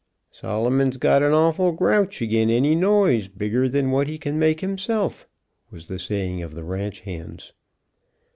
"Solomon's got an awful grouch agin any noise bigger than what he can make hisself," was the saying of the ranch hands.